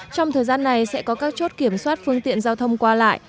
trong thời gian này sẽ có các chốt kiểm soát phương tiện giao thông qua lại